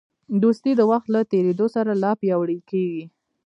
دوستي د وخت له تېرېدو سره لا پیاوړې کېږي.